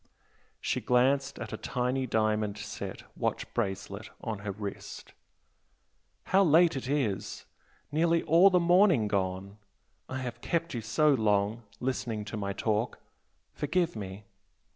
She glanced at a tiny diamond set watch bracelet on her wrist "How late it is! nearly all the morning gone! I have kept you so long listening to my talk forgive me!